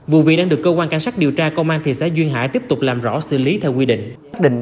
vụ việc đang được cơ quan cảnh sát điều tra công an thị xã duyên hải tiếp tục làm rõ xử lý theo quy định